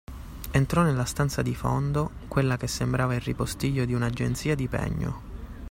Entrò nella stanza di fondo, quella che sembrava il ripostiglio di un'agenzia di pegno.